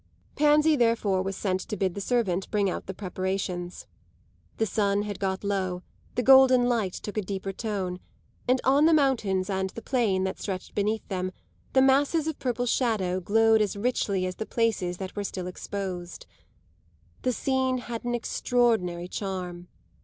Pansy therefore was sent to bid the servant bring out the preparations. The sun had got low, the golden light took a deeper tone, and on the mountains and the plain that stretched beneath them the masses of purple shadow glowed as richly as the places that were still exposed. The scene had an extraordinary charm.